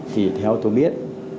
thì theo tôi biết